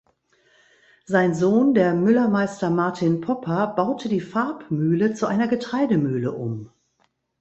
Sein Sohn der Müllermeister Martin Poppa baute die Farbmühle zu einer Getreidemühle um.